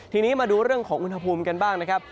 ทีนี้มาดูเรื่องของอุณหภูมิกันบ้างนะครับ